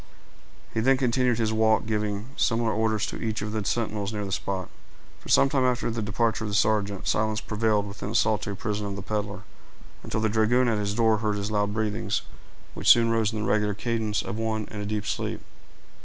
He then continued his walk, giving similar orders to each of the sentinels near the spot. For some time after the departure of the sergeant, silence prevailed within the solitary prison of the peddler, until the dragoon at his door heard his loud breathings, which soon rose into the regular cadence of one in a deep sleep.